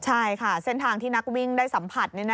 ใช่ค่ะเส้นทางที่นักวิ่งได้สัมผัส